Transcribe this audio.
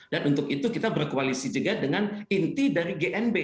dan untuk itu kita berkoalisi juga dengan inti dari gnb